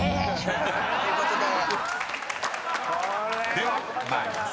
［では参ります。